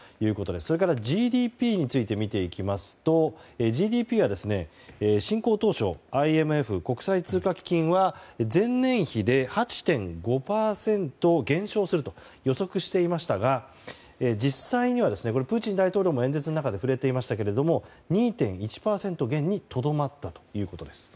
それからＧＤＰについて見ていきますとＧＤＰは、侵攻当初ＩＭＦ・国際通貨基金は前年比で８．５％減少すると予測していましたが実際にはプーチン大統領も演説の中で触れていましたけれども２．１％減にとどまったということです。